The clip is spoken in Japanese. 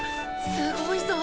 すごいぞ！